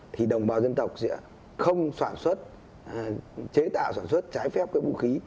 thì đồng bào dân tộc sẽ không soạn xuất chế tạo soạn xuất trái phép cái vũ khí